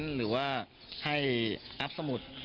หรือว่าให้อัพสมุด